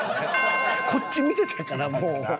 こっち見てたからもう。